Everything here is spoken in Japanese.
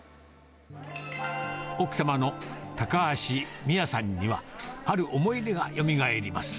奥様の高橋美哉さんには、ある思い出がよみがえります。